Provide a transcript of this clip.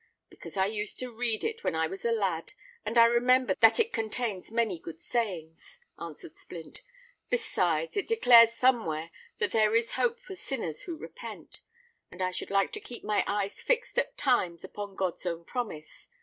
"Because I used to read it when I was a lad, and I remember that it contains many good sayings," answered Splint. "Besides, it declares somewhere that there is hope for sinners who repent; and I should like to keep my eyes fixed at times upon God's own promise.